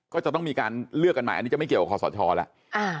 ก็จะต้องมีการเลือกกันใหม่อันนี้จะไม่เกี่ยวกับคอสชแล้ว